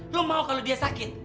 lo mau kalau dia sakit